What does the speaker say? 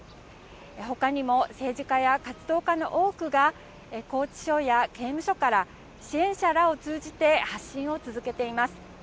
ほかにも政治家や活動家の多くが、拘置所や刑務所から、支援者らを通じて発信を続けています。